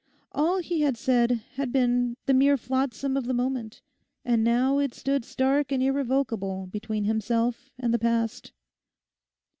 All he had said had been the mere flotsam of the moment, and now it stood stark and irrevocable between himself and the past.